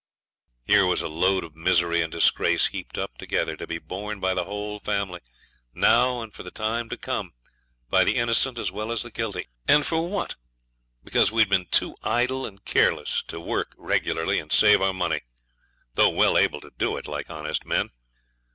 Here was a load of misery and disgrace heaped up together, to be borne by the whole family, now and for the time to come by the innocent as well as the guilty. And for what? Because we had been too idle and careless to work regularly and save our money, though well able to do it, like honest men.